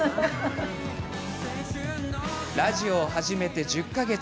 ラジオを始めて１０か月。